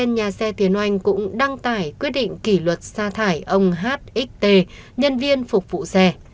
nhà xe tiền oanh cũng đăng tải quyết định kỷ luật xa thải ông hxt nhân viên phục vụ xe